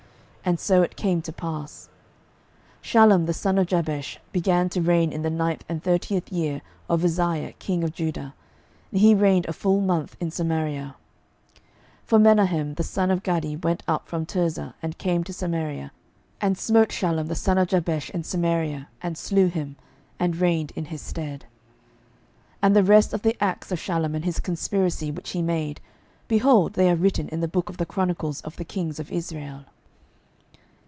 And so it came to pass. 12:015:013 Shallum the son of Jabesh began to reign in the nine and thirtieth year of Uzziah king of Judah; and he reigned a full month in Samaria. 12:015:014 For Menahem the son of Gadi went up from Tirzah, and came to Samaria, and smote Shallum the son of Jabesh in Samaria, and slew him, and reigned in his stead. 12:015:015 And the rest of the acts of Shallum, and his conspiracy which he made, behold, they are written in the book of the chronicles of the kings of Israel.